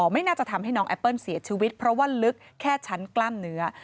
ไม่น่าจะทำให้น้องแอปเปิ้ลเสียชีวิตเพราะว่าลึกแค่ชั้นกล้ามเนื้อ